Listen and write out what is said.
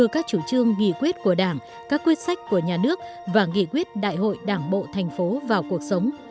các quyết của đảng các quyết sách của nhà nước và nghị quyết đại hội đảng bộ thành phố vào cuộc sống